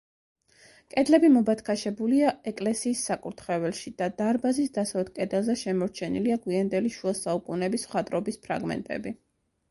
კედლები მობათქაშებულია ეკლესიის საკურთხეველში და დარბაზის დასავლეთ კედელზე შემორჩენილია გვიანდელი შუა საუკუნეების მხატვრობის ფრაგმენტები.